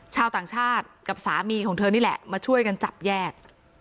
ชาวต่างชาติกับสามีของเธอนี่แหละมาช่วยกันจับแยก